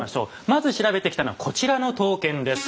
まず調べてきたのはこちらの刀剣です。